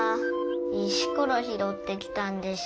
石ころひろってきたんでしょ。